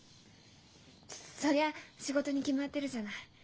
そりゃ仕事に決まってるじゃない。